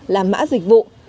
là mã dịch vụ